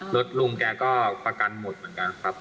ลุงแกก็ประกันหมดเหมือนกันครับ